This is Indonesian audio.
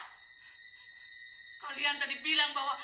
kalian tadi bilang